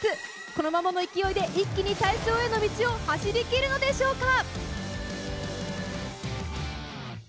このままの勢いで一気に大賞への道を走りきるのでしょうか。